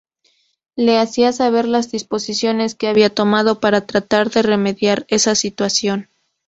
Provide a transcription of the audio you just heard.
Le hacía saber las disposiciones que había tomado para tratar de remediar esa situación.